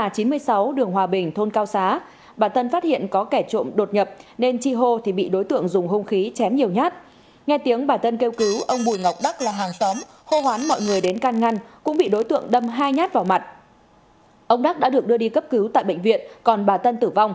các bạn hãy đăng ký kênh để ủng hộ kênh của chúng mình nhé